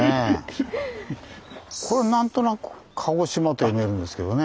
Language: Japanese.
これなんとなく「カゴシマ」と読めるんですけどね。